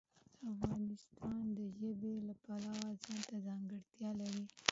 افغانستان د ژبې د پلوه ځانته ځانګړتیا لري.